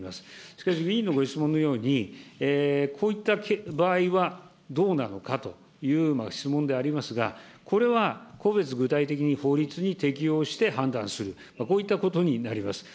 しかし委員のご質問のように、こういった場合はどうなのかという質問でありますが、これは個別具体的に法律に適用して判断する、こういったことになります。